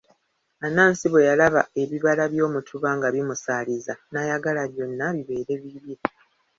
Anansi bwe yalaba ebibala by'omutuba nga bimusaaliza n'ayagala byonna bibeere bibye.